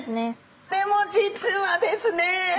でも実はですね